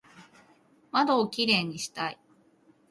窓をキレイにしたい